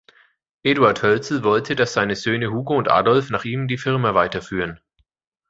Eduard Hölzel wollte, dass seine Söhne Hugo und Adolf nach ihm die Firma weiterführen.